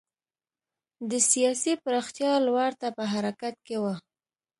د سیاسي پراختیا لور ته په حرکت کې و.